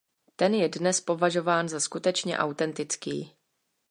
Ten je dnes považován za skutečně autentický.